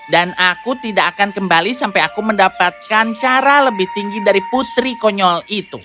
dan aku tidak akan kembali sampai aku mendapatkan cara lebih tinggi dari putri konyol